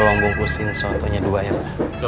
tolong bungkusin sotonya dua ya pak